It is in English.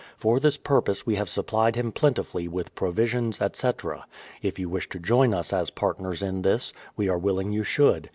For this purpose wo have supplied him plentifully with provisions, etc. If you wish to join us as partners in this, we are willing you should.